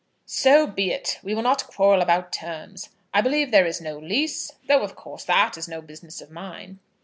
"So be it. We will not quarrel about terms. I believe there is no lease? though, of course, that is no business of mine."